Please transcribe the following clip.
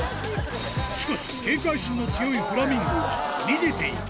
しかし警戒心の強いフラミンゴは逃げていく